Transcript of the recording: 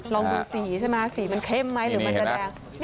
ลองดูสีใช่ไหมสีมันเข้มไหมหรือมันจะแดง